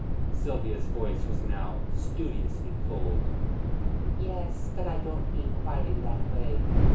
Sylvia's voice was now studiously cold. "Yes; but I don't mean quite in that way."